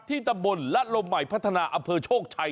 ที่ตะบลและลมใหม่พัฒนาอเภอโชคชัย